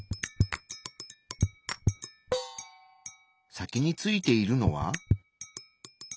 先についているのは。